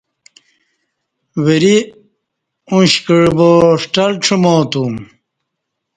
وری اش کعہ با ݜٹلہ ڄماتوم